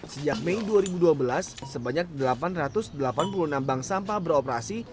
sejak mei dua ribu dua belas sebanyak delapan ratus delapan puluh enam bank sampah beroperasi